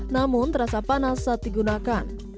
namun terasa panas saat digunakan